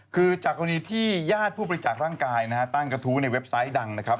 คือจากกรณีที่ญาติผู้บริจาคร่างกายนะฮะตั้งกระทู้ในเว็บไซต์ดังนะครับ